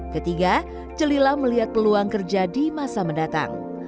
ketiga celila melihat peluang kerja di masa mendatang